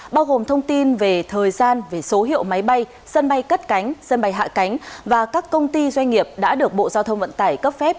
bao gồm thông tin về thời gian về số hiệu máy bay sân bay cất cánh sân bay hạ cánh và các công ty doanh nghiệp đã được bộ giao thông vận tải cấp phép